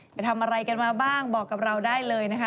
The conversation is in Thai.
ไปทำอะไรกันมาบ้างบอกกับเราได้เลยนะคะ